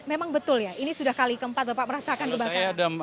memang betul ya ini sudah kali keempat bapak merasakan kebakaran